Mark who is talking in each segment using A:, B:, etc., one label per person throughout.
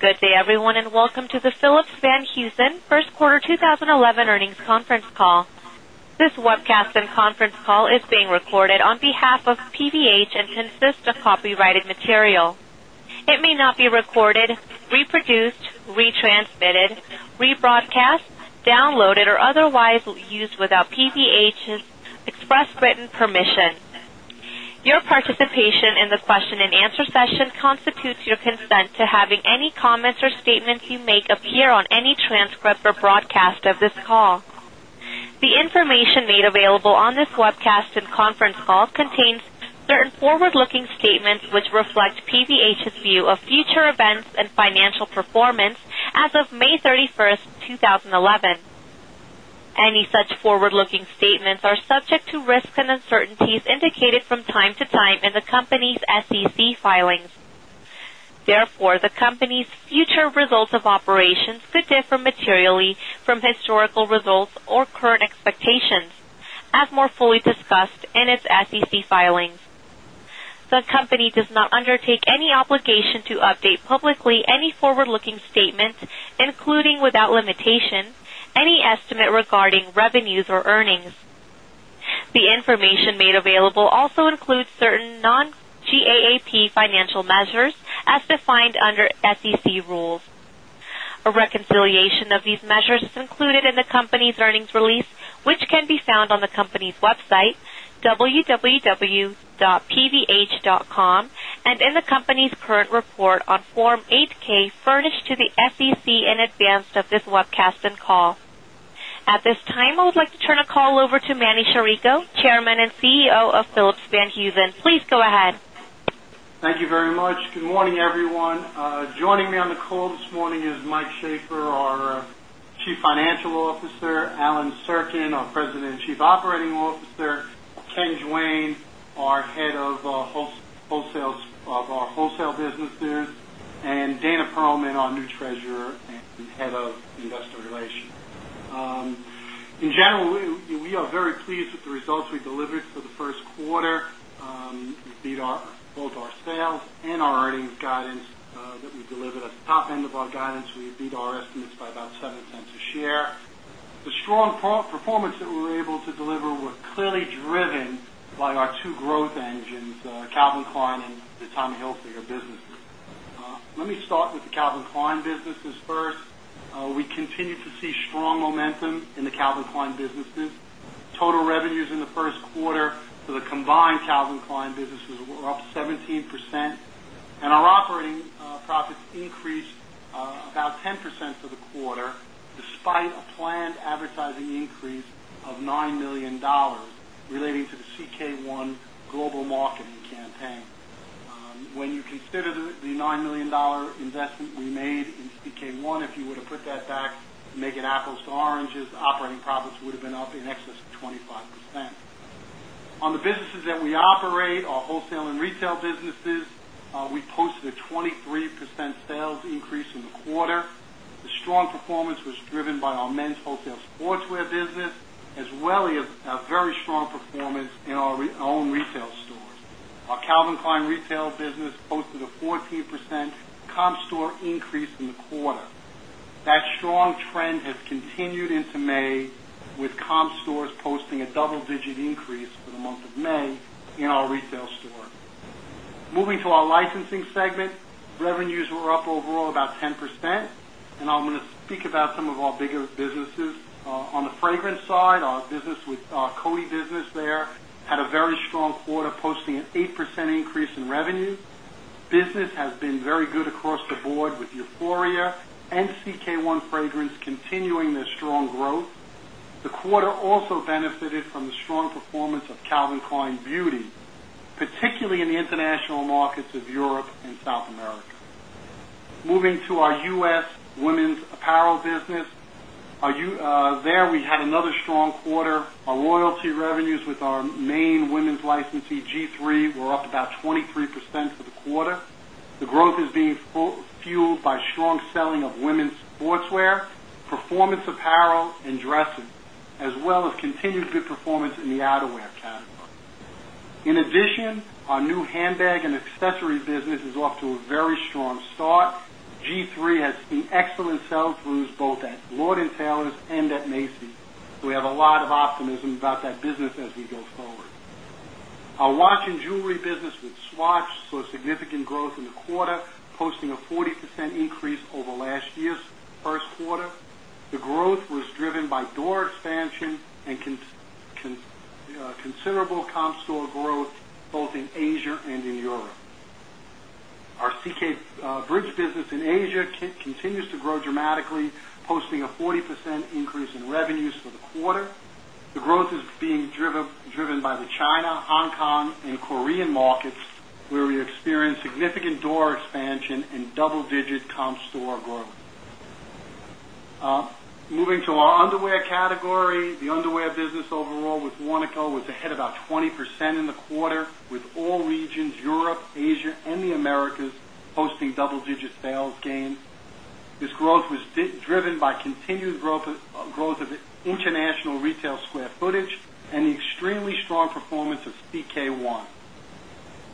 A: Good day, everyone, and welcome to the Phillips-Van Heusen First Quarter 2011 Earnings Conference Call. This webcast and conference call is being recorded on behalf of PVH and consists of copyrighted material. It may not be recorded, reproduced, retransmitted, rebroadcast, downloaded, or otherwise used without PVH's express written permission. Your participation in the question and answer session constitutes your consent to having any comments or statements you make appear on any transcript or broadcast of this call. The information made available on this webcast and conference call contains certain forward-looking statements which reflect PVH's view of future events and financial performance as of May 31st, 2011. Any such forward-looking statements are subject to risks and uncertainties indicated from time to time in the company's SEC filings. Therefore, the company's future results of operations could differ materially from historical results or current expectations, as more fully discussed in its SEC filings. The company does not undertake any obligation to update publicly any forward-looking statement, including without limitation, any estimate regarding revenues or earnings. The information made available also includes certain non-GAAP financial measures as defined under SEC rules. A reconciliation of these measures is included in the company's earnings release, which can be found on the company's website, www.pvh.com, and in the company's current report on Form 8-K furnished to the SEC in advance of this webcast and call. At this time, I would like to turn the call over to Manny Chirico, Chairman and CEO of Phillips-Van Heusen. Please go ahead.
B: Thank you very much. Good morning, everyone. Joining me on the call this morning is Mike Shaffer, our Chief Financial Officer; Allen Sirkin, our President and Chief Operating Officer; Ken Duane, our Head of Wholesale Businesses; and Dana Perlman, our new Treasurer and Head of Investor Relations. In general, we are very pleased with the results we delivered for the first quarter. We beat both our sales and our earnings guidance that we delivered at the top end of our guidance. We beat our estimates by about $0.07 a share. The strong performance that we were able to deliver was clearly driven by our two growth engines, Calvin Klein and the Tommy Hilfiger businesses. Let me start with the Calvin Klein businesses first. We continue to see strong momentum in the Calvin Klein businesses. Total revenues in the first quarter for the combined Calvin Klein businesses were up 17%, and our operating profits increased about 10% for the quarter, despite a planned advertising increase of $9 million relating to the CK One global marketing campaign. When you consider the $9 million investment we made in CK One, if you were to put that back, make it apples to oranges, operating profits would have been up in excess of 25%. On the businesses that we operate, our wholesale and retail businesses, we posted a 23% sales increase in the quarter. The strong performance was driven by our men's wholesale sportswear business, as well as a very strong performance in our own retail stores. Our Calvin Klein Retail business posted a 14% comp store increase in the quarter. That strong trend has continued into May, with comp stores posting a double-digit increase for the month of May in our retail store. Moving to our licensing segment, revenues were up overall about 10%, and I'm going to speak about some of our bigger businesses. On the fragrance side, our business with Coty business there had a very strong quarter, posting an 8% increase in revenue. Business has been very good across the board with Euphoria and CK One fragrance continuing their strong growth. The quarter also benefited from the strong performance of Calvin Klein Beauty, particularly in the international markets of Europe and South America. Moving to our U.S. Women's Apparel business, there we had another strong quarter. Our royalty revenues with our main women's licensee G-III were up about 23% for the quarter. The growth is being fueled by strong selling of women's sportswear, performance apparel, and dresses, as well as continued good performance in the outerwear category. In addition, our new handbag and accessories business is off to a very strong start. G3 has seen excellent sales boosts both at Lord & Taylor and at Macy's, so we have a lot of optimism about that business as we go forward. Our watch and jewelry business with Swatch saw significant growth in the quarter, posting a 40% increase over last year's first quarter. The growth was driven by door expansions and considerable comp store growth both in Asia and in Europe. Our CK Bridge business in Asia continues to grow dramatically, posting a 40% increase in revenues for the quarter. The growth is being driven by the China, Hong Kong, and Korean markets, where we experienced significant door expansion and double-digit comp store growth. Moving to our Underwear category, the Underwear business overall with Warnaco was ahead by about 20% in the quarter, with all regions, Europe, Asia, and the Americas posting double-digit sales gains. This growth was driven by continued growth of international retail square footage and the extremely strong performance of CK One.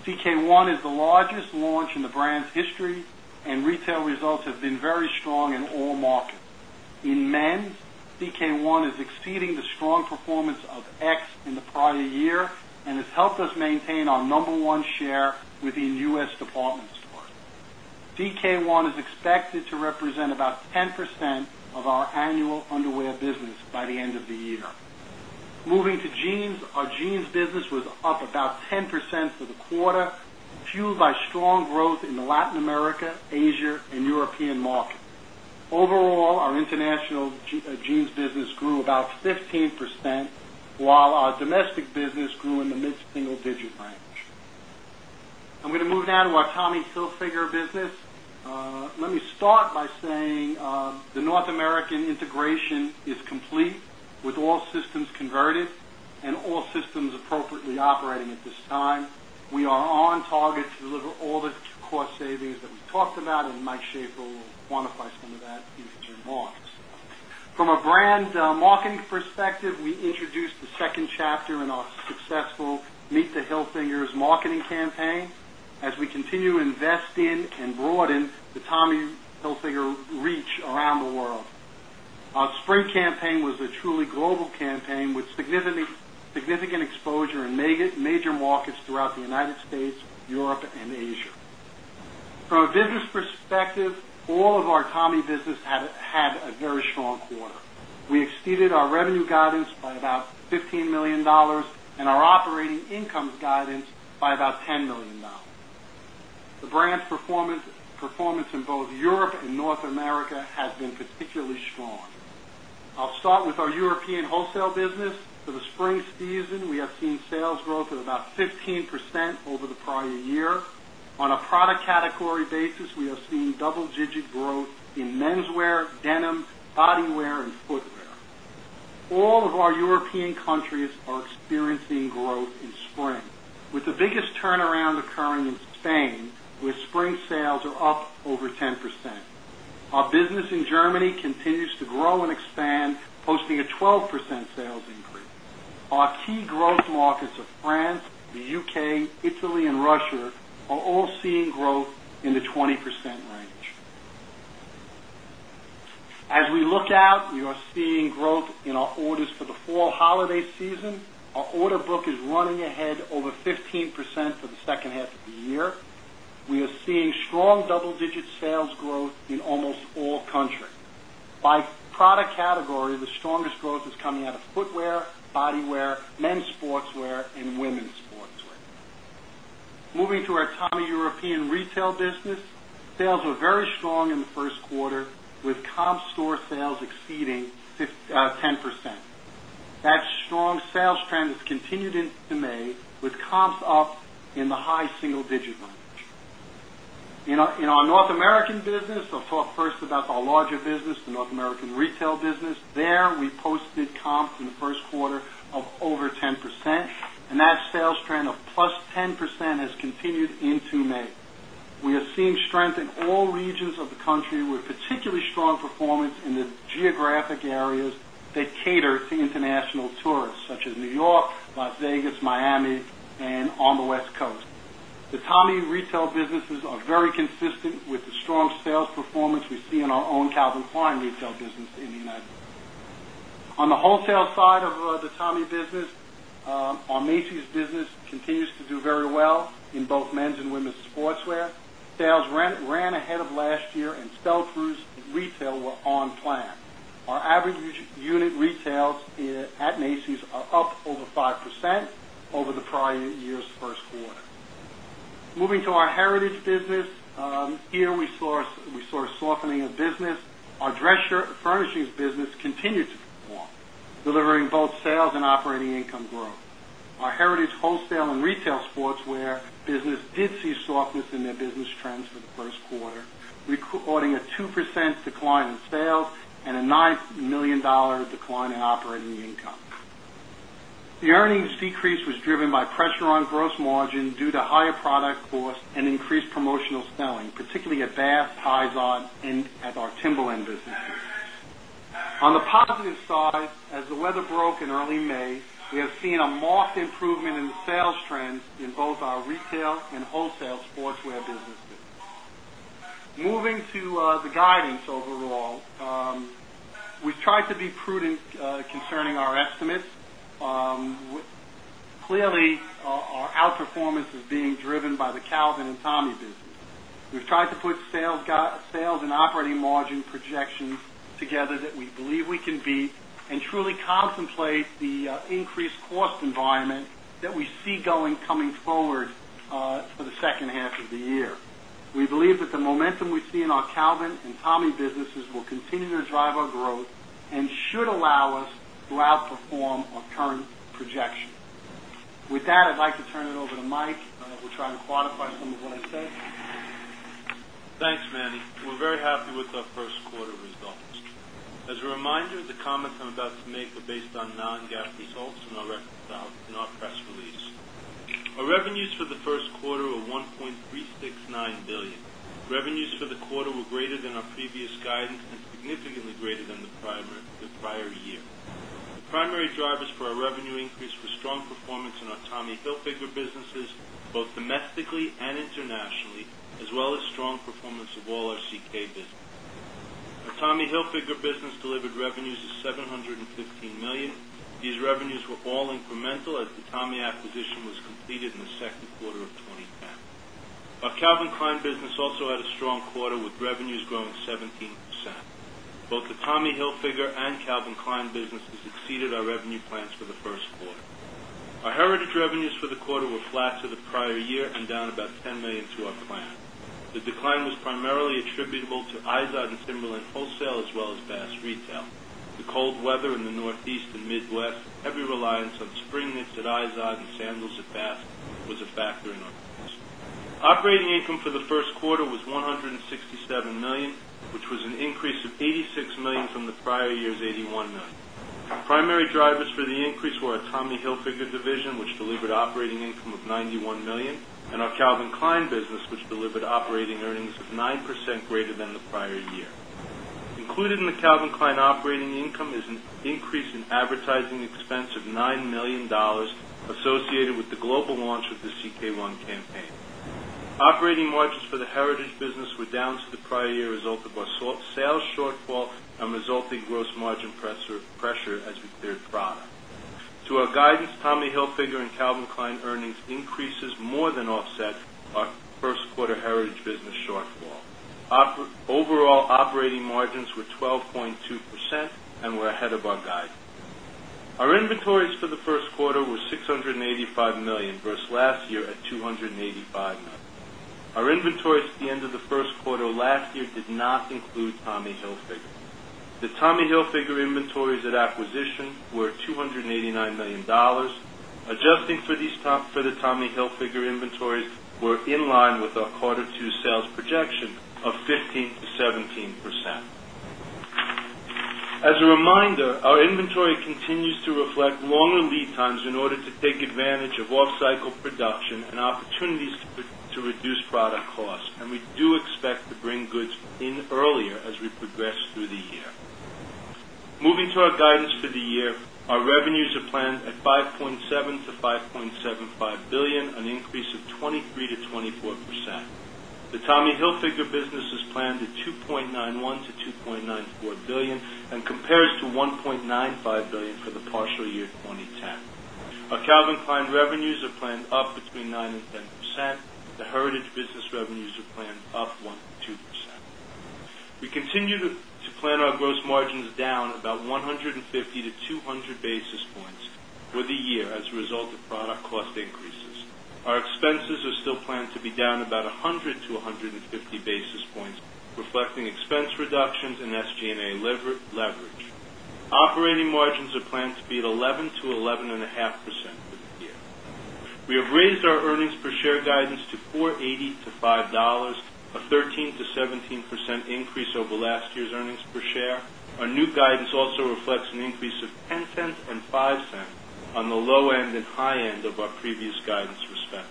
B: CK One is the largest launch in the brand's history, and retail results have been very strong in all markets. In men's, CK One is exceeding the strong performance of X in the prior year and has helped us maintain our number one share within U.S. department stores. CK One is expected to represent about 10% of our annual underwear business by the end of the year. Moving to Jeans, our Jeans business was up about 10% for the quarter, fueled by strong growth in the Latin America, Asia, and European markets. Overall, our International Jeans business grew about 15%, while our domestic business grew in the mid-single-digit range. I'm going to move now to our Tommy Hilfiger business. Let me start by saying the North American integration is complete with all systems converted and all systems appropriately operating at this time. We are on target to deliver all the cost savings that we've talked about, and Mike Shaffer will quantify some of that in his remarks. From a brand marketing perspective, we introduced the second chapter in our successful Meet the Hilfigers marketing campaign as we continue to invest in and broaden the Tommy Hilfiger reach around the world. Our spring campaign was a truly global campaign with significant exposure in major markets throughout the United States, Europe, and Asia. From a business perspective, all of our Tommy business had a very strong quarter. We exceeded our revenue guidance by about $15 million and our operating income guidance by about $10 million. The brand's performance in both Europe and North America has been particularly strong. I'll start with our European Wholesale business. For the spring season, we have seen sales growth of about 15% over the prior year. On a product category basis, we have seen double-digit growth in menswear, denim, bodywear, and footwear. All of our European countries are experiencing growth in spring, with the biggest turnaround occurring in Spain, where spring sales are up over 10%. Our business in Germany continues to grow and expand, posting a 12% sales increase. Our key growth markets of France, the U.K., Italy, and Russia are all seeing growth in the 20% range. As we look out, you are seeing growth in our orders for the fall holiday season. Our order book is running ahead over 15% for the second half of the year. We are seeing strong double-digit sales growth in almost all countries. By product category, the strongest growth is coming out of footwear, bodywear, men's sportswear, and women's sportswear. Moving to our Tommy European Retail business, sales were very strong in the first quarter, with comp store sales exceeding 10%. That strong sales trend has continued into May, with comps up in the high single-digit range. In our North American business, I'll talk first about our larger business, the North American Retail business. There, we posted comps in the first quarter of over 10%, and that sales trend of +10% has continued into May. We are seeing strength in all regions of the country, with particularly strong performance in the geographic areas that cater to international tourists, such as New York, Las Vegas, Miami, and on the West Coast. The Tommy Retail businesses are very consistent with the strong sales performance we see in our own Calvin Klein Retail business in the United States. On the Wholesale side of the Tommy business, our Macy's business continues to do very well in both men's and women's sportswear. Sales ran ahead of last year, and sell-throughs in retail were on plan. Our average unit retails at Macy's are up over 5% over the prior year's first quarter. Moving to our Heritage business, here, we saw a softening of business. Our dress furnishings business continued to perform, delivering both sales and operating income growth. Our Heritage Wholesale and Retail Sportswear business did see softness in their business trends for the first quarter, recording a 2% decline in sales and a $9 million decline in operating income. The earnings decrease was driven by pressure on gross margin due to higher product costs and increased promotional selling, particularly at Bass, IZOD, and at our Timberland businesses. On the positive side, as the weather broke in early May, we have seen a marked improvement in sales trends in both our Retail and Wholesale Sportswear businesses. Moving to the guidance overall, we've tried to be prudent concerning our estimates. Clearly, our outperformance is being driven by the Calvin and Tommy business. We've tried to put sales and operating margin projections together that we believe we can beat and truly contemplate the increased cost environment that we see going coming forward for the second half of the year. We believe that the momentum we see in our Calvin and Tommy businesses will continue to drive our growth and should allow us to outperform our current projections. With that, I'd like to turn it over to Mike, and we'll try to quantify some of what I said.
C: Thanks, Manny. We're very happy with our first quarter results. As a reminder, the comments I'm about to make are based on non-GAAP results in our press release. Our revenues for the first quarter were $1.369 billion. Revenues for the quarter were greater than our previous guidance and significantly greater than the prior year. The primary drivers for our revenue increase were strong performance in our Tommy Hilfiger businesses, both domestically and internationally, as well as strong performance of all our CK businesses. Our Tommy Hilfiger business delivered revenues of $715 million. These revenues were all incremental as the Tommy acquisition was completed in the second quarter of 2010. Our Calvin Klein business also had a strong quarter, with revenues growing 17%. Both the Tommy Hilfiger and Calvin Klein businesses exceeded our revenue plans for the first quarter. Our Heritage revenues for the quarter were flat for the prior year and down about $10 million to our plan. The decline was primarily attributable to IZOD and Timberland wholesale, as well as Bass retail. The cold weather in the Northeast and Midwest and heavy reliance on spring knits at IZOD and sandals at Bass was a factor in our growth. Operating income for the first quarter was $167 million, which was an increase of $86 million from the prior year's $81 million. Primary drivers for the increase were our Tommy Hilfiger division, which delivered operating income of $91 million, and our Calvin Klein business, which delivered operating earnings of 9% greater than the prior year. Included in the Calvin Klein operating income is an increase in advertising expense of $9 million associated with the global launch of the CK One campaign. Operating margins for the Heritage business were down to the prior year, resulting in sales shortfall and resulting in gross margin pressure as we cleared product. To our guidance, Tommy Hilfiger and Calvin Klein earnings increases more than offset our first quarter Heritage business shortfall. Overall, operating margins were 12.2% and were ahead of our guidance. Our inventories for the first quarter were $685 million versus last year at $285 million. Our inventories at the end of the first quarter last year did not include Tommy Hilfiger. The Tommy Hilfiger inventories at acquisition were $289 million. Adjusting for these, the Tommy Hilfiger inventories were in line with our quarter two sales projection of 15%-17%. As a reminder, our inventory continues to reflect longer lead times in order to take advantage of off-cycle production and opportunities to reduce product costs, and we do expect to bring goods in earlier as we progress through the year. Moving to our guidance for the year, our revenues are planned at $5.7 billion-$5.75 billion, an increase of 23%-24%. The Tommy Hilfiger business is planned at $2.91 billion-$2.94 billion and compares to $1.95 billion for the partial year 2010. Our Calvin Klein revenues are planned up between 9% and 10%. The Heritage business revenues are planned up 1% to 2%. We continue to plan our gross margins down about 150 basis points-200 basis points for the year as a result of product cost increases. Our expenses are still planned to be down about 100 basis points-150 basis points, reflecting expense reductions in SG&A leverage. Operating margins are planned to be at 11%-11.5% for the year. We have raised our earnings per share guidance to $4.80-$5, a 13%-17% increase over last year's earnings per share. Our new guidance also reflects an increase of $0.10 and $0.05 on the low end and high end of our previous guidance respectively.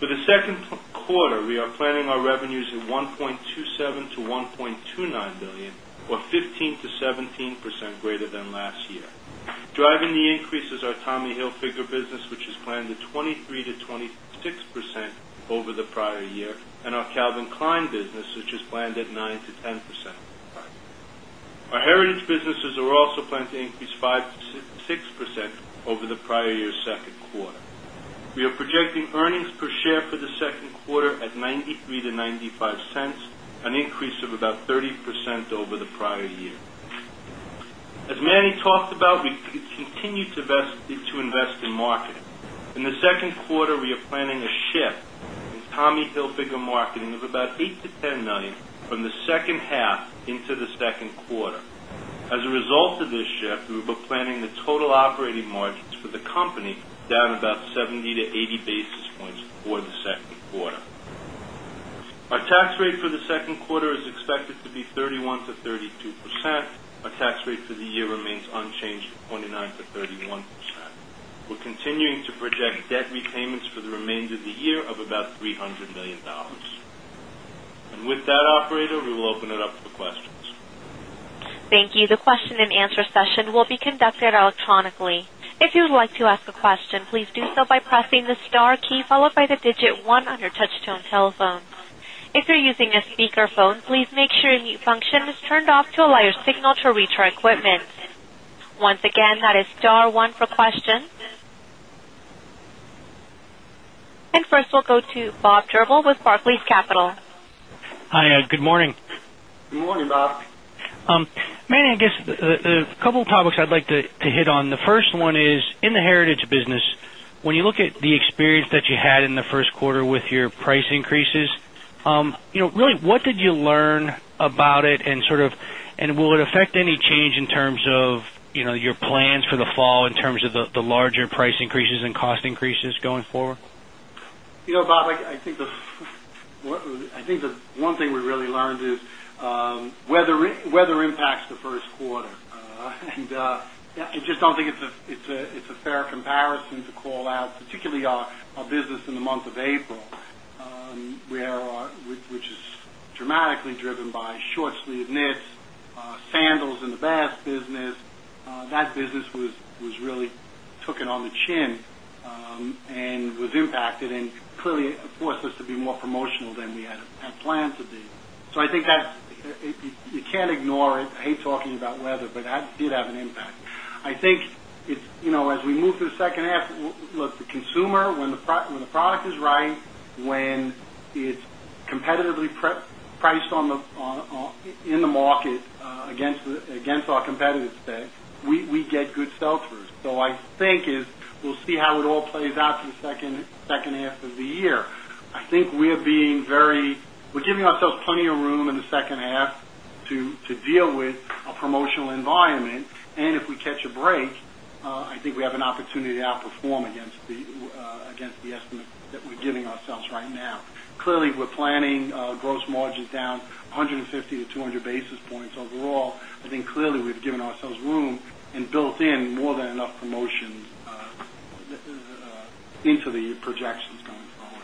C: For the second quarter, we are planning our revenues at $1.27 billion-$1.29 billion, or 15%-17% greater than last year. Driving the increase is our Tommy Hilfiger business, which is planned at 23%-26% over the prior year, and our Calvin Klein business, which is planned at 9%-10% over the prior year. Our Heritage businesses are also planned to increase 5%-6% over the prior year's second quarter. We are projecting earnings per share for the second quarter at $0.93-$0.95, an increase of about 30% over the prior year. As Manny talked about, we continue to invest in marketing. In the second quarter, we are planning a shift in Tommy Hilfiger marketing of about $8 million-$10 million from the second half into the second quarter. As a result of this shift, we're planning the total operating margins for the company down about 70 basis points-80 basis points for the second quarter. Our tax rate for the second quarter is expected to be 31%-32%. Our tax rate for the year remains unchanged at 29%-31%. We're continuing to project debt repayments for the remainder of the year of about $300 million. With that, operator, we will open it up to the questions.
A: Thank you. The question and answer session will be conducted electronically. If you would like to ask a question, please do so by pressing the star key followed by the digit one on your touch-tone telephone. If you're using a speakerphone, please make sure your mute function is turned off to allow your signal to reach our equipment. Once again, that is star one for questions. First, we'll go to Bob Turnbull with Barclays Capital.
D: Hi, good morning.
B: Good morning, Bob.
D: Manny, I guess there's a couple of topics I'd like to hit on. The first one is, in the Heritage business, when you look at the experience that you had in the first quarter with your price increases, what did you learn about it, and will it affect any change in terms of your plans for the fall in terms of the larger price increases and cost increases going forward?
B: Bob, I think the one thing we really learned is weather impacts the first quarter. I just don't think it's a fair comparison to call out, particularly our business in the month of April, which is dramatically driven by short-sleeved knits, sandals in the Bass business. That business really took it on the chin and was impacted and clearly forced us to be more promotional than we had planned to be. I think you can't ignore it. I hate talking about weather, but it did have an impact. I think as we move to the second half, look, the consumer, when the product is right, when it's competitively priced in the market against our competitors' space, we get good sell-throughs. I think we'll see how it all plays out for the second half of the year. I think we're giving ourselves plenty of room in the second half to deal with a promotional environment. If we catch a break, I think we have an opportunity to outperform against the estimates that we're giving ourselves right now. Clearly, we're planning gross margins down 150-200 basis points overall. I think we've given ourselves room and built in more than enough promotions into the projections going forward.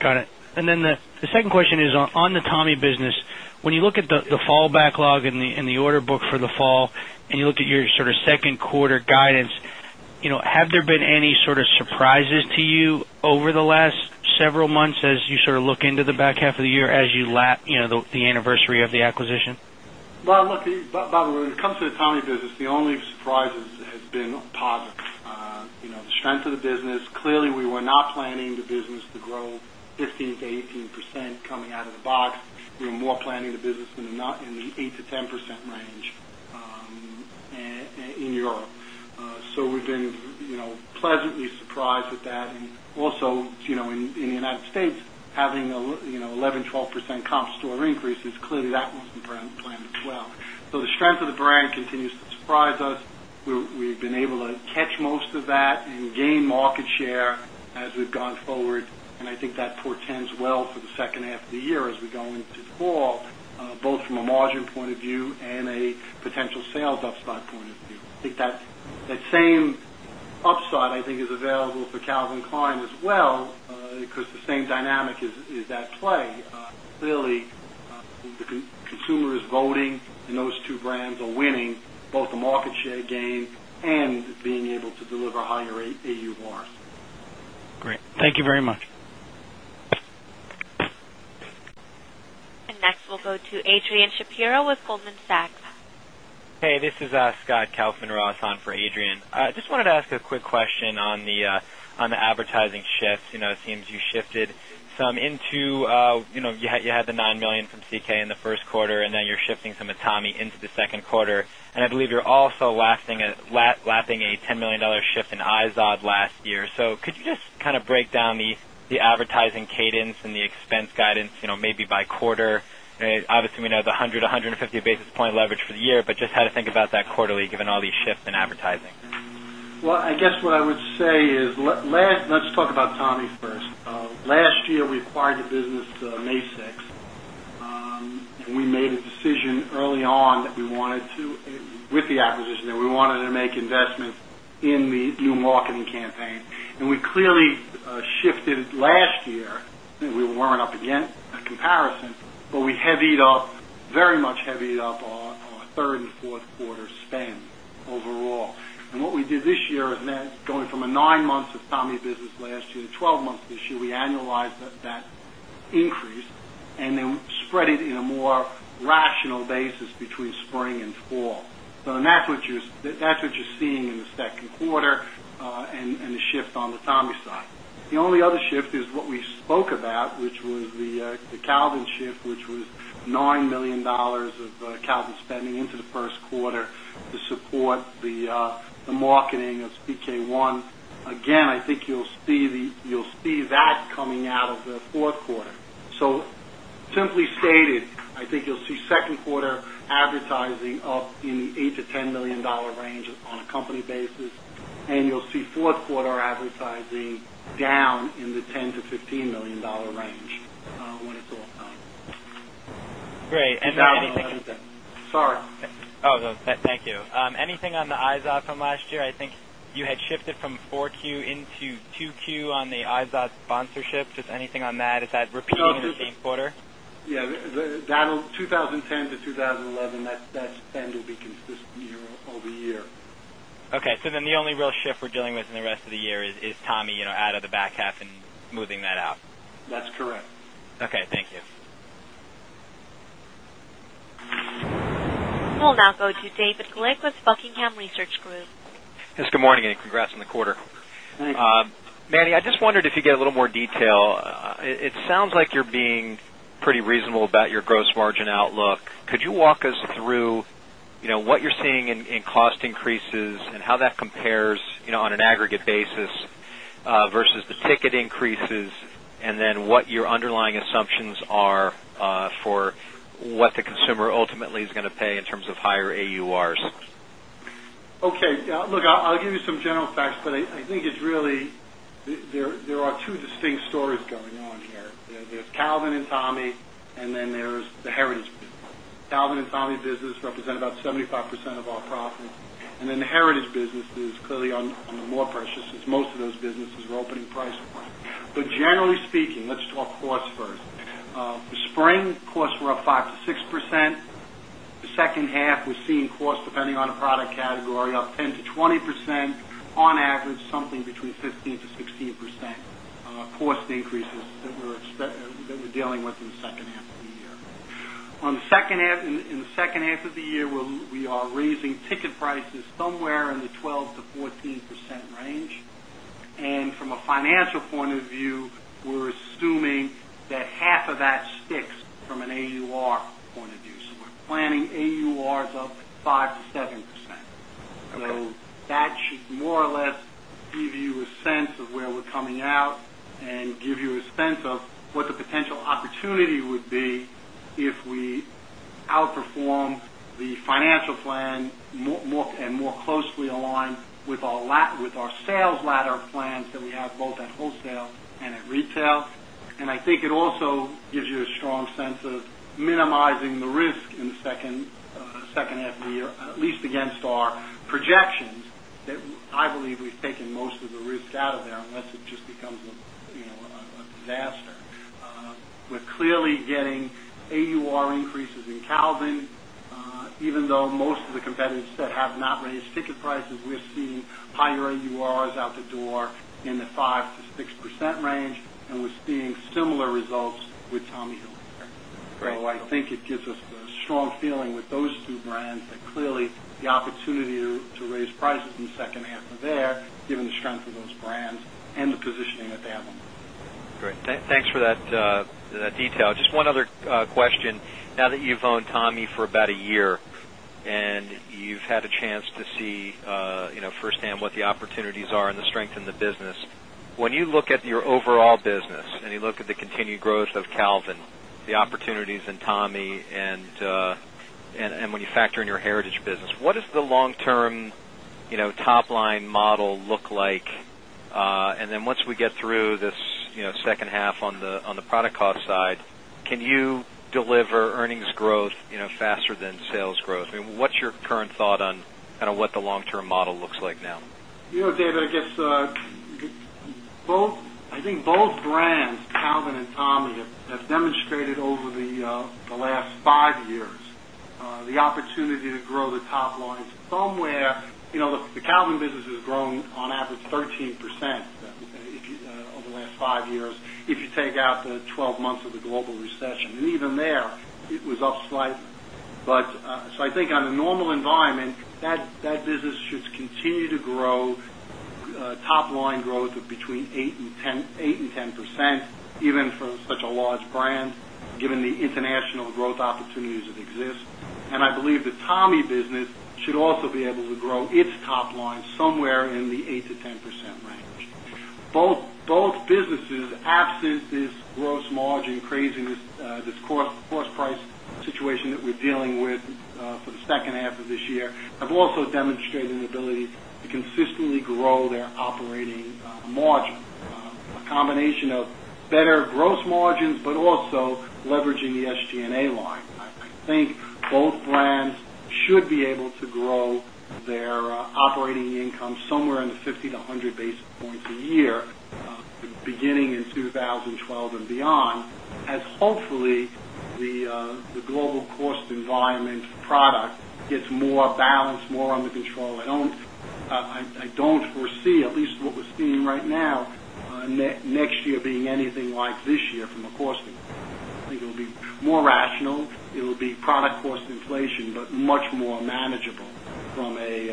D: Got it. The second question is on the Tommy business. When you look at the fall backlog and the order book for the fall and you look at your sort of second quarter guidance, have there been any sort of surprises to you over the last several months as you sort of look into the back half of the year as you lap the anniversary of the acquisition?
B: By the way, when it comes to the Tommy Hilfiger business, the only surprise has been positive. The strength of the business, clearly we were not planning the business to grow 15%-18% coming out of the box. We were more planning the business in the 8%-10% range in Europe. We've been pleasantly surprised with that. Also, in the United States, having an 11%-12% comp store increases, clearly that wasn't planned as well. The strength of the brand continues to surprise us. We've been able to catch most of that and gain market share as we've gone forward. I think that portends well for the second half of the year as we go into the fall, both from a margin point of view and a potential sales upside point of view. I think that same upside is available for Calvin Klein as well, because the same dynamic is at play. Clearly, the consumer is voting and those two brands are winning both the market share gain and being able to deliver higher AUR.
D: Great. Thank you very much.
A: Next, we'll go to Adrianne Shapira with Goldman Sachs.
E: Hey, this is Scott Kaufman Ross on for Adrian. I just wanted to ask a quick question on the advertising shifts. It seems you shifted some into, you had the $9 million from CK in the first quarter, and now you're shifting some at Tommy into the second quarter. I believe you're also lapping a $10 million shift in IZOD last year. Could you just kind of break down the advertising cadence and the expense guidance, maybe by quarter? Obviously, we know the 100 basis points-150 basis points leverage for the year, but just how to think about that quarterly given all these shifts in advertising.
B: I guess what I would say is let's talk about Tommy's first. Last year, we acquired the business to Macy's. We made a decision early on that we wanted to, with the acquisition, that we wanted to make investments in the new marketing campaign. We clearly shifted last year. We weren't up against that comparison, but we heavied up, very much heavied up, our third and fourth quarter spend overall. What we did this year is going from nine months of Tommy business last year to 12 months this year, we annualized that increase and then spread it in a more rational basis between spring and fall. That's what you're seeing in the second quarter and a shift on the Tommy side. The only other shift is what we spoke about, which was the Calvin shift, which was $9 million of Calvin spending into the first quarter to support the marketing of CK One. I think you'll see that coming out of the fourth quarter. Simply stated, I think you'll see second quarter advertising up in the $8 million-$10 million range on a company basis, and you'll see fourth quarter advertising down in the $10 million-$15 million range when it's all done.
E: Great. Then.
B: Sorry.
E: Thank you. Anything on the IZOD from last year? I think you had shifted from 4Q into 2Q on the IZOD sponsorship. Just anything on that? Is that repeating the same quarter?
B: Yeah, that'll 2010 to 2011, that's end of the consistent year-over-year.
E: Okay. The only real shift we're dealing with in the rest of the year is Tommy, you know, out of the back half and moving that out.
B: That's correct.
E: Okay, thank you.
A: will now go to David Glick with Buckingham Research Group.
F: Good morning and congrats on the quarter.
B: Thanks.
F: Manny, I just wondered if you could get a little more detail. It sounds like you're being pretty reasonable about your gross margin outlook. Could you walk us through what you're seeing in cost increases and how that compares on an aggregate basis versus the ticket increases, and then what your underlying assumptions are for what the consumer ultimately is going to pay in terms of higher AURs?
B: Okay. Yeah. Look, I'll give you some general facts, but I think it's really there are two distinct stories going on here. There's Calvin and Tommy, and then there's the Heritage business. Calvin and Tommy business represent about 75% of our profits. The Heritage business is clearly on the more precious since most of those businesses were opening price for it. Generally speaking, let's talk costs first. The spring costs were up 5%-6%. The second half, we're seeing costs depending on the product category up 10%-20%. On average, something between 15%-16% cost increases that we're dealing with in the second half of the year. In the second half of the year, we are raising ticket prices somewhere in the 12%-14% range. From a financial point of view, we're assuming that half of that sticks from an AUR point of view. We're planning AURs up 5%-7%. That should more or less give you a sense of where we're coming out and give you a sense of what the potential opportunity would be if we outperform the financial plan more and more closely aligned with our sales ladder plans that we have both at wholesale and at retail. I think it also gives you a strong sense of minimizing the risk in the second half of the year, at least against our projections that I believe we've taken most of the risk out of there unless it just becomes a, you know, a disaster. We're clearly getting AUR increases in Calvin. Even though most of the competitors have not raised ticket prices, we're seeing higher AURs out the door in the 5%-6% range, and we're seeing similar results with Tommy Hilfiger. I think it gives us a strong feeling with those two brands, but clearly, the opportunity to raise prices in the second half are there, given the strength of those brands and the positioning that they have on the market.
F: Great. Thanks for that detail. Just one other question. Now that you've owned Tommy for about a year and you've had a chance to see firsthand what the opportunities are and the strength in the business, when you look at your overall business and you look at the continued growth of Calvin, the opportunities in Tommy, and when you factor in your Heritage business, what does the long-term top-line model look like? Once we get through this second half on the product cost side, can you deliver earnings growth faster than sales growth? I mean, what's your current thought on kind of what the long-term model looks like now?
B: You know, David, I guess both, I think both brands, Calvin and Tommy, have demonstrated over the last five years the opportunity to grow the top lines somewhere. The Calvin business has grown on average 13% over the last five years if you take out the 12 months of the global recession. Even there, it was up slightly. I think in a normal environment, that business should continue to grow top-line growth of between 8% and 10%, even for such a large brand, given the international growth opportunities that exist. I believe the Tommy business should also be able to grow its top line somewhere in the 8%-10% range. Both businesses, absent this gross margin craziness, this cost price situation that we're dealing with for the second half of this year, have also demonstrated an ability to consistently grow their operating margins. A combination of better gross margins, but also leveraging the SG&A line. I think both brands should be able to grow their operating income somewhere in the 50-100 basis points a year, beginning in 2012 and beyond, as hopefully the global cost environment product gets more balanced, more under control. I don't foresee, at least what we're seeing right now, next year being anything like this year from a costing. I think it will be more rational. It will be product cost inflation, but much more manageable from a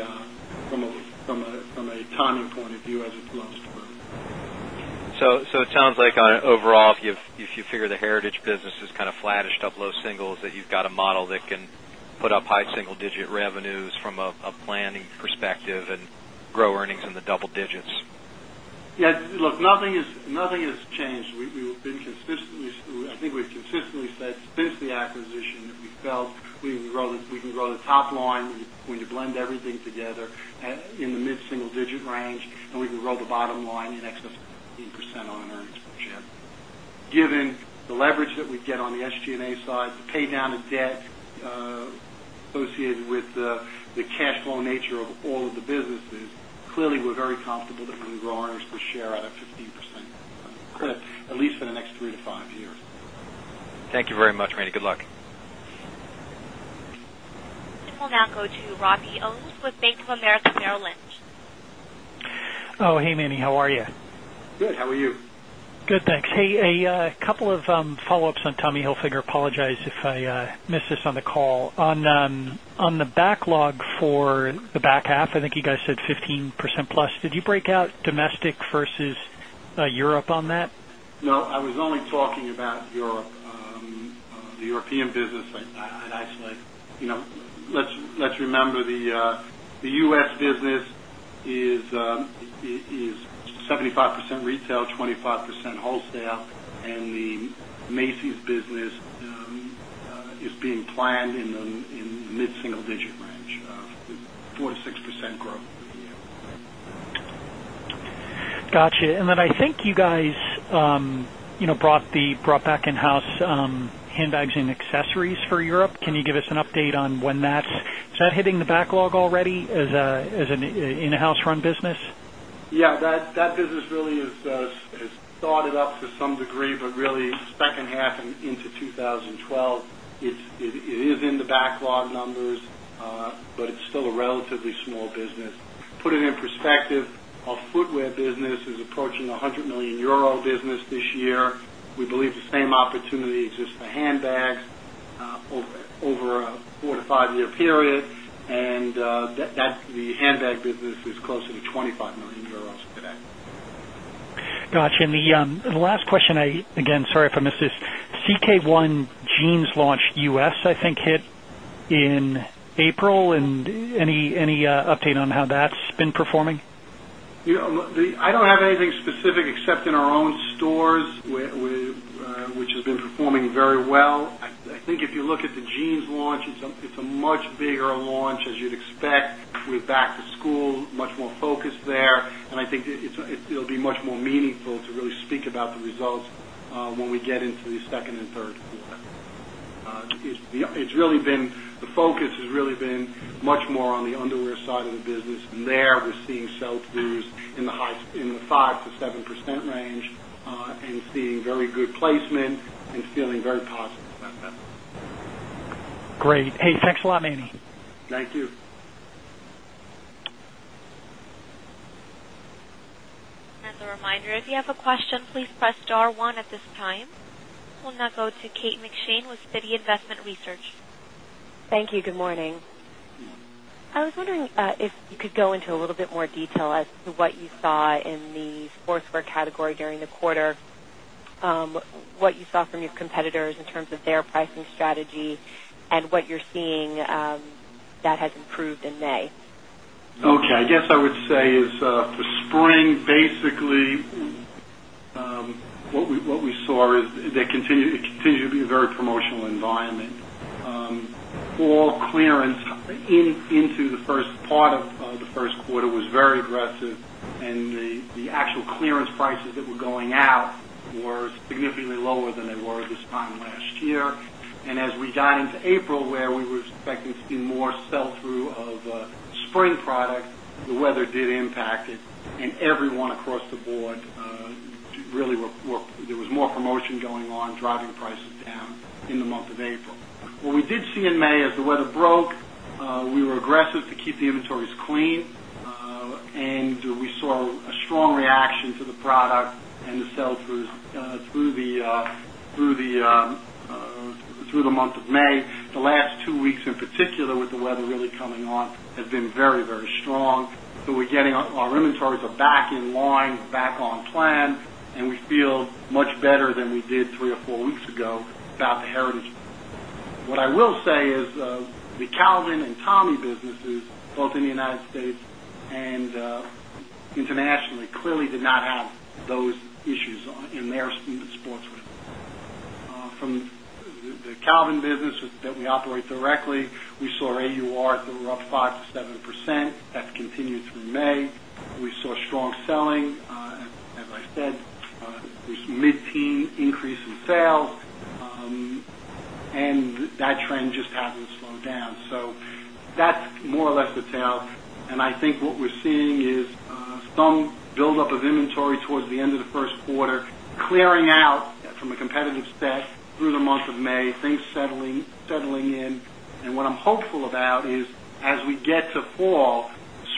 B: timing point of view as it flows for us.
F: It sounds like overall, if you figure the Heritage business is kind of flattish double-0 singles, that you've got a model that can put up high single-digit revenues from a planning perspective and grow earnings in the double digits.
B: Yeah. Look, nothing has changed. We've been, I think we've consistently said since the acquisition that we felt we can grow the top line when you blend everything together in the mid-single-digit range, and we can grow the bottom line in excess of 15% on an EPS. Given the leverage that we get on the SG&A side, the paydown of debt associated with the cash flow nature of all of the businesses, clearly we're very comfortable that we can grow EPS at a 15%, at least for the next three years-five years.
F: Thank you very much, Manny. Good luck.
A: We will now go to Robbie Ohmes with Bank of America Merrill Lynch.
G: Oh, hey, Manny. How are you?
B: Good. How are you?
G: Good, thanks. Hey, a couple of follow-ups on Tommy Hilfiger. Apologize if I missed this on the call. On the backlog for the back half, I think you guys said 15%+. Did you break out domestic versus Europe on that?
B: No, I was only talking about Europe. The European business, I'd isolate. Let's remember the U.S. business is 75% retail, 25% wholesale, and the Macy's business is being planned in the mid-single-digit range of 4%-6% growth.
G: Gotcha. I think you guys brought back in-house handbags and accessories for Europe. Can you give us an update on when that is, is that hitting the backlog already as an in-house run business?
B: Yeah. That business really has started up to some degree, but really, second half and into 2012, it is in the backlog numbers, but it's still a relatively small business. To put it in perspective, our footwear business is approaching a 100 million euro business this year. We believe the same opportunity exists for handbags over a four to five-year period. The handbag business is closer to 25 million euros today.
G: Gotcha. The last question, again, sorry if I missed this. CK One Jeans Launch U.S., I think, hit in April. Any update on how that's been performing? You know.
B: I don't have anything specific except in our own stores, which has been performing very well. I think if you look at the jeans launch, it's a much bigger launch as you'd expect. We're back to school, much more focused there. I think it'll be much more meaningful to really speak about the results when we get into the second and third. It's really been the focus has really been much more on the underwear side of the business. There, we're seeing sell-throughs in the 5%-7% range and seeing very good placement and feeling very positive about that.
G: Great. Hey, thanks a lot, Manny.
B: Thank you.
A: As a reminder, if you have a question, please press star one at this time. We'll now go to Kate McShane with Citi Investment Research.
H: Thank you. Good morning. I was wondering if you could go into a little bit more detail as to what you saw in the sportswear category during the quarter, what you saw from your competitors in terms of their pricing strategy, and what you're seeing that has improved in May.
B: Okay. I guess I would say is for spring, basically, what we saw is it continued to be a very promotional environment. All clearance into the first part of the first quarter was very aggressive, and the actual clearance prices that were going out were significantly lower than they were this time last year. As we got into April, where we were expecting to see more sell-through of spring product, the weather did impact it. Everyone across the board really reported there was more promotion going on, driving prices down in the month of April. What we did see in May as the weather broke, we were aggressive to keep the inventories clean, and we saw a strong reaction to the product and the sell-throughs through the month of May. The last two weeks in particular, with the weather really coming on, have been very, very strong. We're getting our inventories back in line, back on plan, and we feel much better than we did three-four weeks ago with the Heritage business. What I will say is the Calvin and Tommy businesses, both in the United States and internationally, clearly did not have those issues in their sportswear. From the Calvin business that we operate directly, we saw AURs that were up 5%-7%. That's continued through May. We saw strong selling. As I said, we're mid-season increase in sales, and that trend just hasn't slowed down. That's more or less the tale. I think what we're seeing is some buildup of inventory towards the end of the first quarter, clearing out from a competitive stack through the month of May, things settling in. What I'm hopeful about is as we get to fall,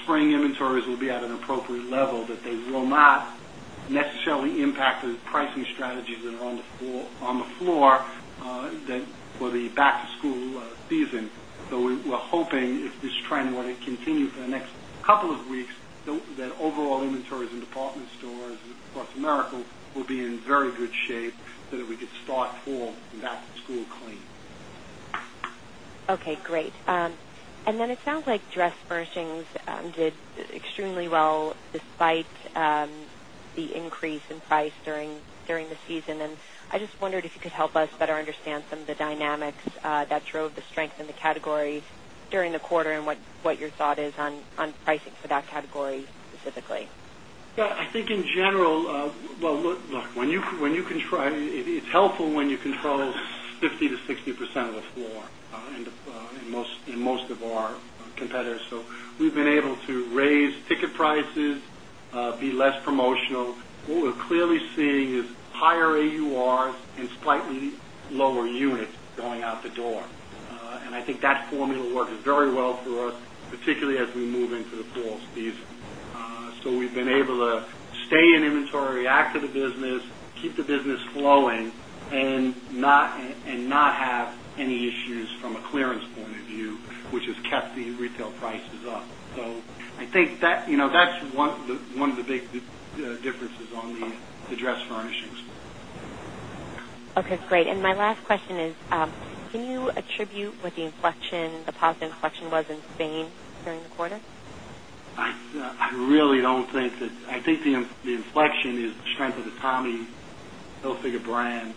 B: spring inventories will be at an appropriate level that they will not necessarily impact the pricing strategies that are on the floor for the back-to-school season. We're hoping if this trend were to continue for the next couple of weeks, that overall inventories in department stores across America will be in very good shape so that we could start fall and back to school clean.
H: Okay. Great. It sounds like dress furnishings did extremely well despite the increase in price during the season. I just wondered if you could help us better understand some of the dynamics that drove the strength in the categories during the quarter and what your thought is on pricing for that category specifically.
B: I think in general, when you control 50%-60% of the floor in most of our competitors, it's helpful. We've been able to raise ticket prices, be less promotional. What we're clearly seeing is higher AURs and slightly lower units going out the door. I think that formula works very well for us, particularly as we move into the fall season. We've been able to stay in inventory, react to the business, keep the business flowing, and not have any issues from a clearance point of view, which has kept the retail prices up. I think that's one of the big differences on the dress furnishings.
H: Okay. Great. My last question is, can you attribute what the inflection, the positive inflection was in Spain during the quarter?
B: I think the inflection is the strength of the Tommy Hilfiger brand,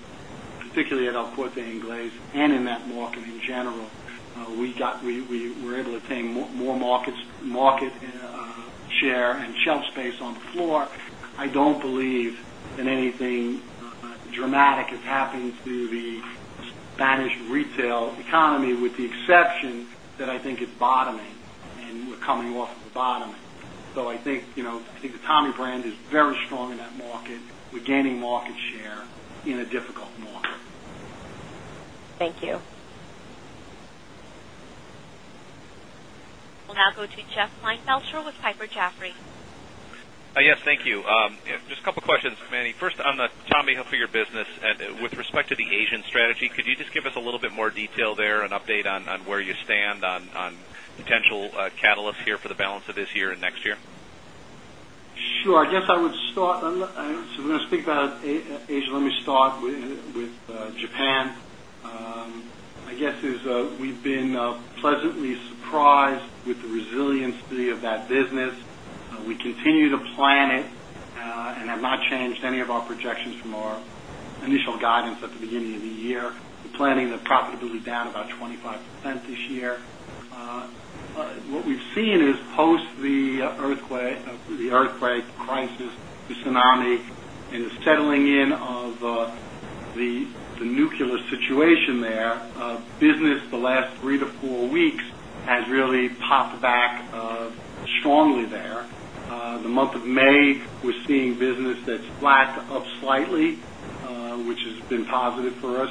B: particularly at El Corte Inglés and in that market in general. We were able to attain more market share and shelf space on the floor. I don't believe that anything dramatic has happened to the Spanish retail economy, with the exception that I think it's bottoming and we're coming off of a bottoming. I think the Tommy brand is very strong in that market. We're gaining market share in a difficult market.
H: Thank you.
A: We'll now go to Jeff Klinefelter with Piper Jaffray.
I: Yes, thank you. Just a couple of questions, Manny. First, on the Tommy Hilfiger business, with respect to the Asian strategy, could you just give us a little bit more detail there and update on where you stand on potential catalysts here for the balance of this year and next year?
B: Sure. I guess I would start, and we are going to speak about Asia. Let me start with Japan. I guess we've been pleasantly surprised with the resiliency of that business. We continue to plan it and have not changed any of our projections from our initial guidance at the beginning of the year, planning the profitability down about 25% this year. What we've seen is post the earthquake crisis, the tsunami, and the settling in of the nuclear situation there, business the last three to four weeks has really popped back strongly there. The month of May, we're seeing business that's flat to up slightly, which has been positive for us.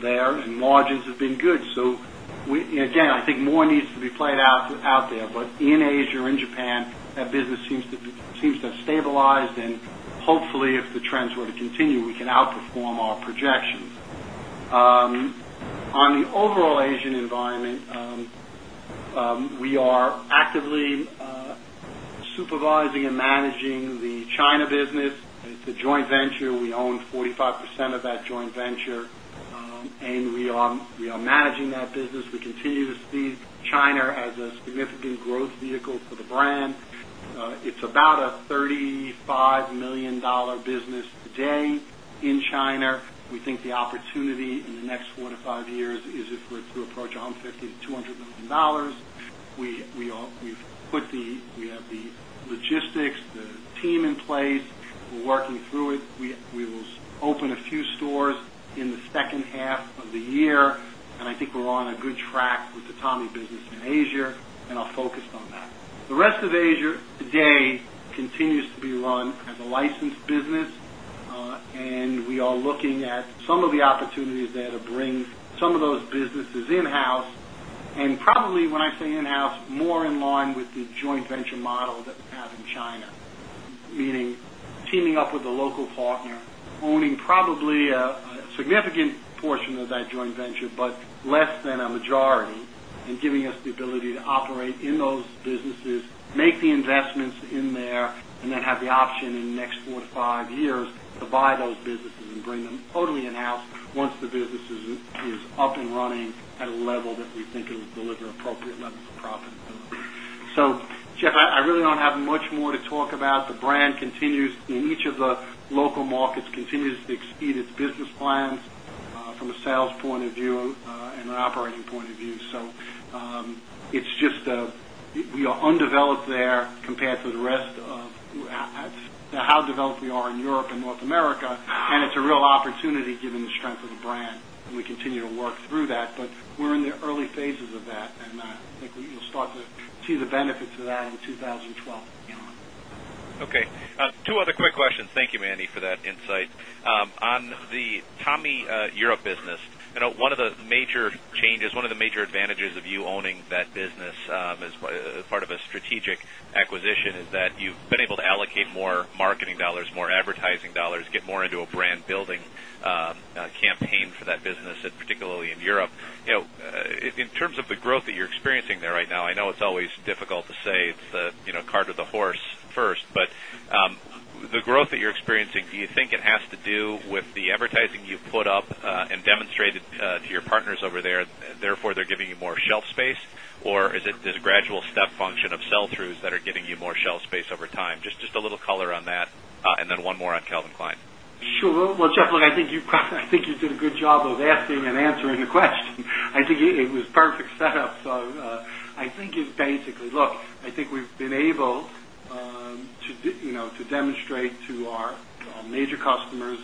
B: There, and margins have been good. I think more needs to be played out there. In Asia or in Japan, that business seems to have stabilized. Hopefully, if the trends were to continue, we can outperform our projections. On the overall Asian environment, we are actively supervising and managing the China business. It's a joint venture. We own 45% of that joint venture, and we are managing that business. We continue to see China as a significant growth vehicle for the brand. It's about a $35 million business today in China. We think the opportunity in the next four-five years is if we're to approach $150 million-$200 million. We have the logistics, the team in place. We're working through it. We will open a few stores in the second half of the year. I think we're on a good track with the Tommy business in Asia, and I'm focused on that. The rest of Asia today continues to be run as a licensed business, and we are looking at some of the opportunities there to bring some of those businesses in-house. Probably when I say in-house, more in line with the joint venture model that we have in China, meaning teaming up with a local partner, owning probably a significant portion of that joint venture, but less than a majority, and giving us the ability to operate in those businesses, make the investments in there, and then have the option in the next four- five years to buy those businesses and bring them totally in-house once the business is up and running at a level that we think it will deliver appropriate levels of profitability. Jeff, I really don't have much more to talk about. The brand continues in each of the local markets, continues to exceed its business plans from a sales point of view and an operating point of view. We are undeveloped there compared to the rest of how developed we are in Europe and North America. It's a real opportunity given the strength of the brand, and we continue to work through that. We're in the early phases of that, and I think you'll start to see the benefits of that in 2012 and beyond.
I: Okay. Two other quick questions. Thank you, Manny, for that insight. On the Tommy Europe business, I know one of the major changes, one of the major advantages of you owning that business as part of a strategic acquisition is that you've been able to allocate more marketing dollars, more advertising dollars, get more into a brand-building campaign for that business, particularly in Europe. In terms of the growth that you're experiencing there right now, I know it's always difficult to say it's the cart or the horse first, but the growth that you're experiencing, do you think it has to do with the advertising you've put up and demonstrated to your partners over there, therefore, they're giving you more shelf space, or is it a gradual step function of sell-throughs that are giving you more shelf space over time? Just a little color on that, and then one more on Calvin Klein.
B: Sure. Jeff, I think you did a good job of asking me and answering the question. I think it was a perfect setup. I think we've been able to demonstrate to our major customers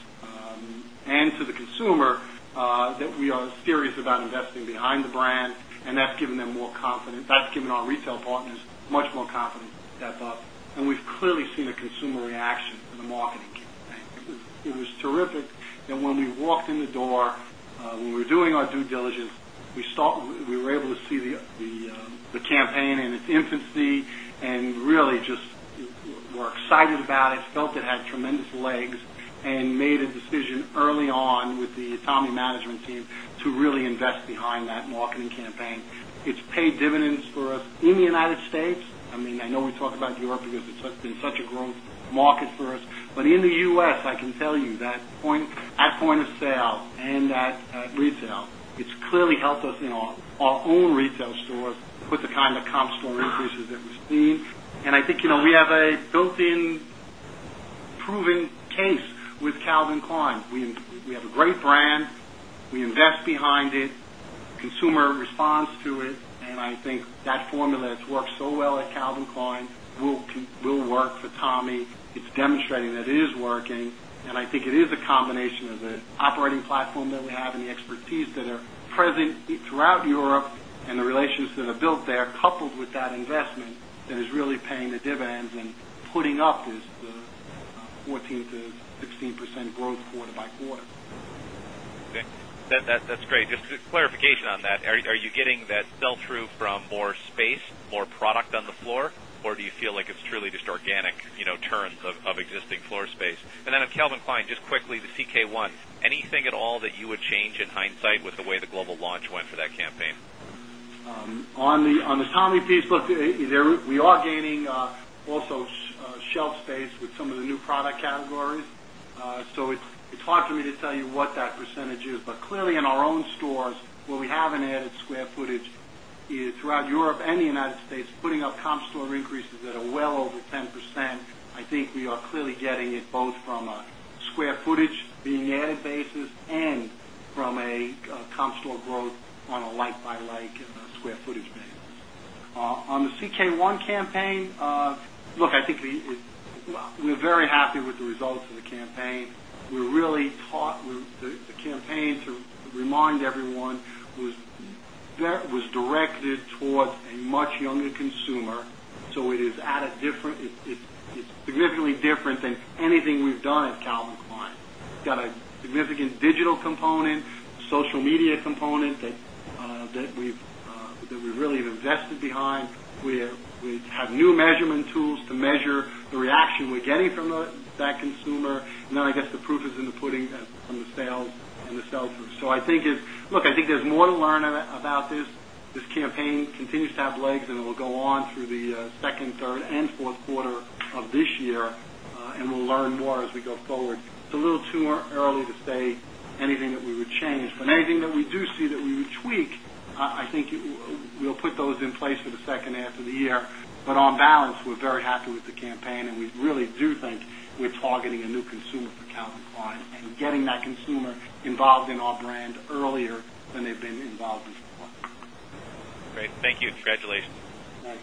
B: and to the consumer that we are serious about investing behind the brand, and that's given them more confidence. That's given our retail partners much more confidence to step up. We've clearly seen a consumer reaction to the marketing campaign. It was terrific that when we walked in the door, when we were doing our due diligence, we were able to see the campaign in its infancy and really just were excited about it, felt it had tremendous legs, and made a decision early on with the Tommy management team to really invest behind that marketing campaign. It's paid dividends for us in the United States. I know we talk about Europe because it's such a growth market for us. In the U.S., I can tell you that at point of sale and at retail, it's clearly helped us in our own retail stores with the kind of comp store increases that we've seen. I think we have a built-in proving case with Calvin Klein. We have a great brand. We invest behind it. Consumer responds to it. I think that formula has worked so well at Calvin Klein and will work for Tommy. It's demonstrating that it is working. I think it is a combination of the operating platform that we have and the expertise that are present throughout Europe and the relationships that are built there, coupled with that investment that is really paying the dividends and putting up this 14%-15% growth quarter-by-quarter.
I: That's great. Just a clarification on that. Are you getting that sell-through from more space, more product on the floor, or do you feel like it's truly just organic turns of existing floor space? Of Calvin Klein, just quickly, the CK One, anything at all that you would change in hindsight with the way the global launch went for that campaign?
B: On the Tommy piece, look, we are gaining also shelf space with some of the new product categories. It's hard for me to tell you what that percentage is, but clearly in our own stores, where we have an added square footage, throughout Europe and the United States, putting up comp store increases that are well over 10%, I think we are clearly getting it both from a square footage being added basis and from a comp store growth on a like-by-like square footage basis. On the CK One campaign, look, I think we're very happy with the results of the campaign. We really taught the campaign to remind everyone was directed towards a much younger consumer. It is at a different, it's significantly different than anything we've done at Calvin Klein. It's got a significant digital component, social media component that we've really invested behind. We have new measurement tools to measure the reaction we're getting from that consumer. I guess the proof is in the pudding on the sales growth. I think, look, I think there's more to learn about this. This campaign continues to have legs, and it will go on through the second, third, and fourth quarter of this year, and we'll learn more as we go forward. It's a little too early to say anything that we would change. Anything that we do see that we would tweak, I think we'll put those in place for the second half of the year. On balance, we're very happy with the campaign, and we really do think we're targeting a new consumer for Calvin Klein and getting that consumer involved in our brand earlier than they've been involved before.
I: Great. Thank you. Congratulations.
B: All right.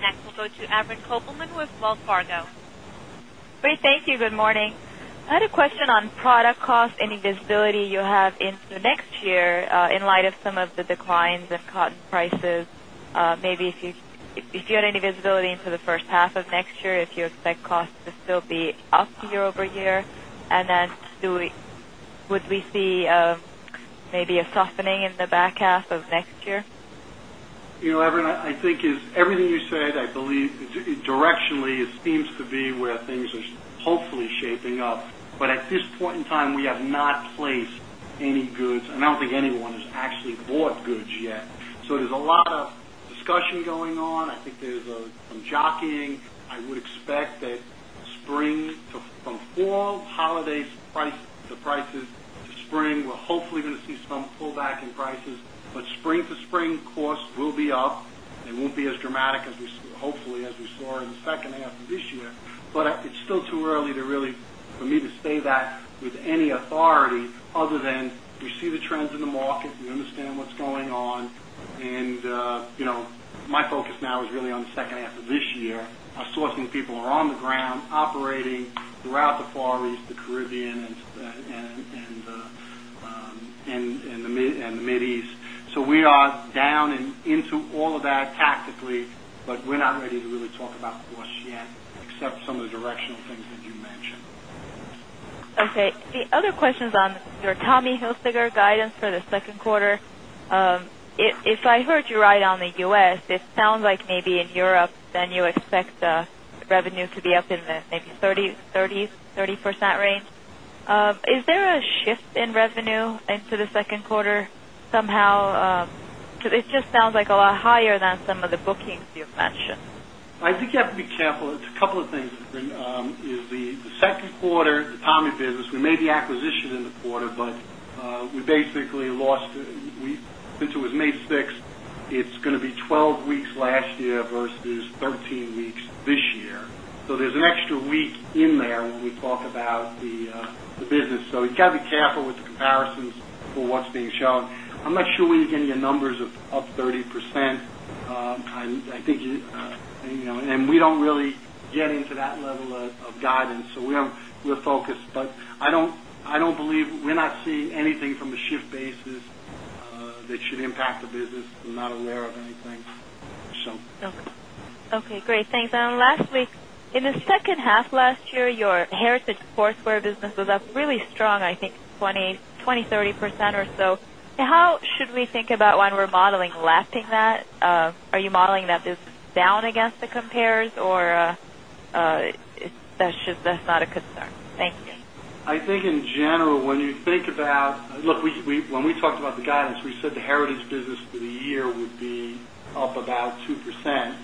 A: Next, we'll go to Avery Baker with Wells Fargo.
J: Great. Thank you. Good morning. I had a question on product cost, any visibility you have into the next year in light of some of the declines of cotton prices. Maybe if you had any visibility into the first half of next year, if you expect costs to still be up year-over-year. Would we see maybe a softening in the back half of next year?
B: You know, Avery, I think everything you said, I believe directionally, it seems to be where things are hopefully shaping up. At this point in time, we have not placed any goods, and I don't think anyone has actually bought goods yet. There is a lot of discussion going on. I think there's some jockeying. I would expect that spring to from fall holidays, the prices to spring will hopefully be going to see some pullback in prices. Spring to spring costs will be up. They won't be as dramatic as we hopefully as we saw in the second half of this year. It's still too early to really, for me, to say that with any authority other than we see the trends in the markets, we understand what's going on. My focus now is really on the second half of this year. Our sourcing people are on the ground operating throughout the Far East, the Caribbean, and the Middle East. We are down and into all of that tactically, but we're not ready to really talk about cost yet, except for some of the directional things that you mentioned.
J: Okay. The other question is on your Tommy Hilfiger guidance for the second quarter. If I heard you right on the U.S., it sounds like maybe in Europe, then you expect the revenue to be up in the maybe 30% range. Is there a shift in revenue into the second quarter somehow? Because it just sounds like a lot higher than some of the bookings you've mentioned.
B: I think you have to be careful. It's a couple of things. It's been the second quarter, the Tommy business. We made the acquisition in the quarter, but we basically lost. Since it was May 6th, it's going to be 12 weeks last year versus 13 weeks this year. There's an extra week in there when we talk about the business. You have to be careful with the comparisons for what's being shown. I'm not sure where you're getting your numbers of up 30%. I think you know, and we don't really get into that level of guidance. We're focused. I don't believe we're not seeing anything from the shift basis that should impact the business. I'm not aware of anything.
J: Okay. Okay. Great. Thanks. Lastly, in the second half last year, your Heritage Sportswear business was up really strong, I think 20%/30% or so. How should we think about when we're modeling lapping that? Are you modeling that this down against the compares, or that's just not a concern? Thank you.
B: I think in general, when you think about, look, when we talked about the guidance, we said the Heritage business for the year would be up about 2%.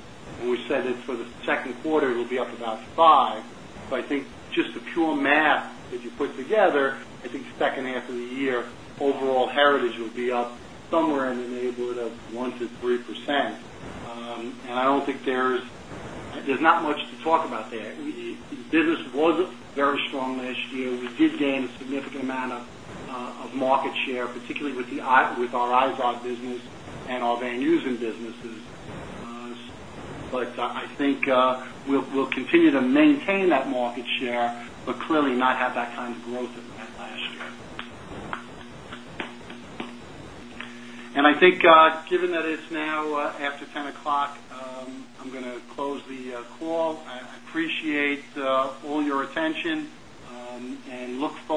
B: We said that for the second quarter, it would be up about 5%. I think just a pure math, if you put together, I think the second half of the year, overall Heritage would be up somewhere in the neighborhood of 1%-3%. I don't think there's not much to talk about there. The business was very strong last year. We did gain a significant amount of market share, particularly with our IZOD business and our Van Heusen businesses. I think we'll continue to maintain that market share, but clearly not have that kind of growth that we had last year. I think given that it's now after 10:00 A.M., I'm going to close the call. I appreciate all your attention and look for.